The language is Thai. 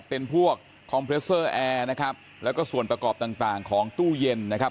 เป็นพวกนะครับแล้วก็ส่วนประกอบต่างต่างของตู้เย็นนะครับ